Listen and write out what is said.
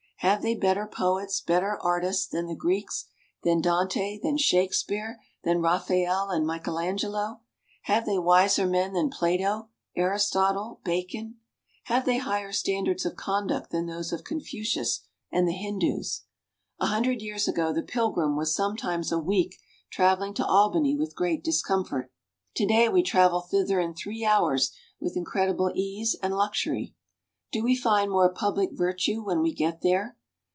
Have they better poets, better artists, than the Greeks, than Dante, than Shakespeare, than Raphael and Michael Angelo? Have they wiser men than Plato, Aristotle, Bacon? Have they higher standards of conduct than those of Confucius and the Hindoos? A hundred years ago the pilgrim was sometimes a week travelling to Albany with great discomfort. To day we travel thither in three hours with incredible ease and luxury. Do we find more public virtue when we get there?